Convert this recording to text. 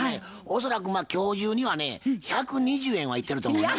恐らく今日中にはね１２０円はいってると思います。